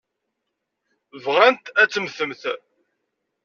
Bɣant ad temmtemt.